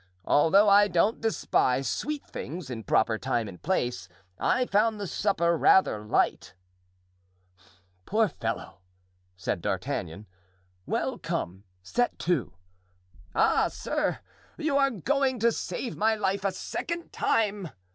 Although I don't despise sweet things in proper time and place, I found the supper rather light." "Poor fellow!" said D'Artagnan. "Well, come; set to." "Ah, sir, you are going to save my life a second time!"